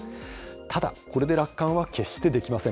ただこれで楽観は決してできません。